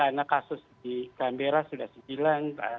karena kasus di canberra sudah sejilan